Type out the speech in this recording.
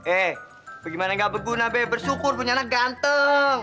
eh bagaimana nggak berguna be bersyukur punya anak ganteng